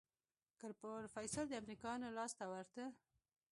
که پروفيسر د امريکايانو لاس ته ورته.